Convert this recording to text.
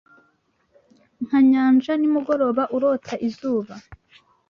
Nka nyanja nimugoroba urota izuba